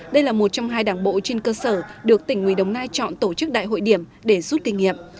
đây là một trong hai đảng bộ trên cơ sở được tỉnh nguy đồng nai chọn tổ chức đại hội điểm để rút kinh nghiệm